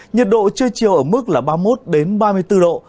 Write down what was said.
nhiệt độ trưa chiều ở mức là ba mươi một ba mươi bốn độ